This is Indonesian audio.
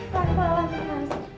pak selamat datang